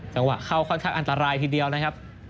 จังหวะเข้าค่อนข้างอันตรายทีเดียวนะครับ